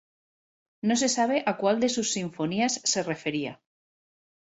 No se sabe a cual de sus sinfonías se refería.